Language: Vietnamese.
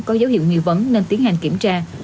có dấu hiệu nghi vấn nên tiến hành kiểm tra